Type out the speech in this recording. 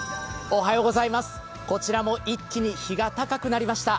こちらも一気に日が高くなりました。